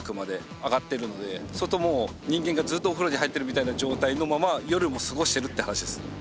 そうするともう人間がずっとお風呂に入ってるみたいな状態のまま夜も過ごしてるって話です。